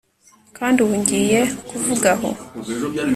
Kandi ubu ngiye kuvuga aho